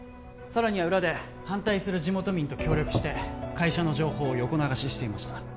さらには裏で反対する地元民と協力して会社の情報を横流ししていました